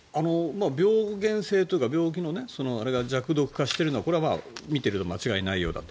病原性というか病気のあれが弱毒化しているのはこれは見てて間違いないようだと。